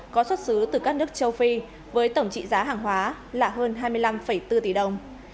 có xuất xứ từ các nước châu phi với tổng trị giá hàng hóa là hơn hai mươi năm bốn tỷ đồng